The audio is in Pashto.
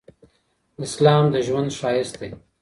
اسلام د ږوند شایست دي